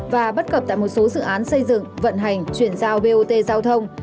và bất cập tại một số dự án xây dựng vận hành chuyển giao bot giao thông